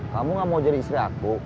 kamu gak mau jadi istri aku